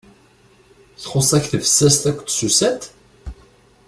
Txus-ak tbessast d tsusat?